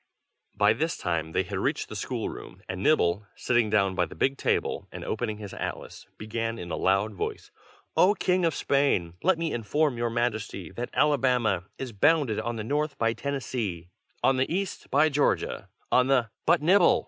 By this time they had reached the school room, and Nibble, sitting down by the big table and opening his atlas, began, in a loud voice: "O King of Spain, let me inform your Majesty that Alabama is bounded on the north by Tennessee, on the east by Georgia, on the" "But, Nibble!